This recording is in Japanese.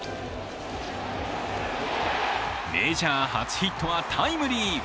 メジャー初ヒットはタイムリー。